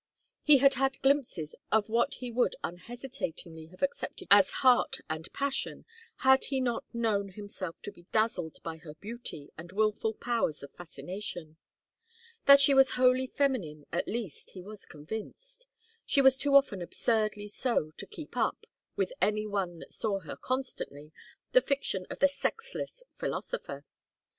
He had had glimpses of what he would unhesitatingly have accepted as heart and passion had he not known himself to be dazzled by her beauty and wilful powers of fascination. That she was wholly feminine, at least, he was convinced; she was too often absurdly so to keep up, with any one that saw her constantly, the fiction of the sexless philosopher.